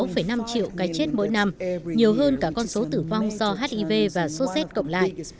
ô nhiễm môi trường gây ra sáu năm triệu cái chết mỗi năm nhiều hơn cả con số tử vong do hiv và sars cộng lại